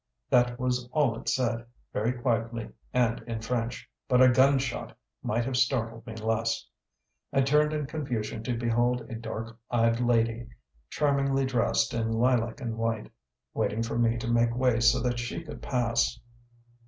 That was all it said, very quietly and in French, but a gunshot might have startled me less. I turned in confusion to behold a dark eyed lady, charmingly dressed in lilac and white, waiting for me to make way so that she could pass.